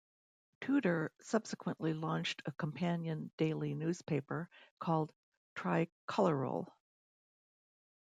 Tudor subsequently launched a companion daily newspaper called "Tricolorul".